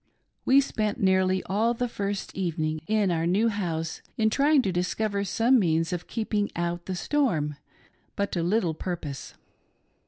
We spent nearly all the first evening in our new house in trying to discover :Some means of keeping out the storm, but to little purpose.